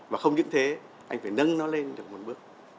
và không những thế anh phải nâng nó lên được một bước